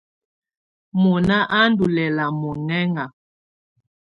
Mɔ̀na á ndù lɛ̀la mɔ̀ŋɛ̀ŋa.